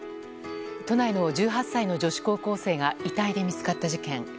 都内の１８歳の女子高校生が遺体で見つかった事件。